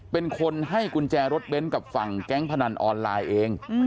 เป็นคนให้กุญแจรถเบ้นกับฝั่งแก๊งพนันออนไลน์เอง